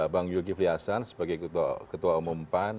bang yogi fliassan sebagai ketua umum pan